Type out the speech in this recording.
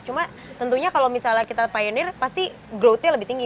cuma tentunya kalau misalnya kita pioneer pasti growthnya lebih tinggi